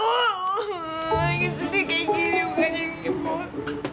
gini kayak gini bukan yang hibur